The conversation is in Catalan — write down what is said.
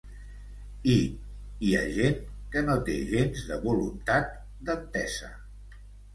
I hi ha gent que no té gens de voluntat d’entesa.